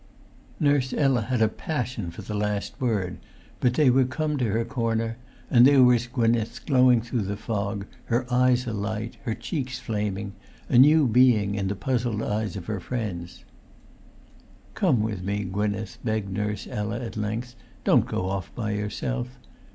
Nurse Ella had a passion for the last word, but they were come to her corner, and there was Gwynneth glowing through the fog, her eyes alight, her cheeks flaming, a new being in the puzzled eyes of her friend. "Come with me, Gwynneth," begged Nurse Ella, at length; "don't go off by yourself.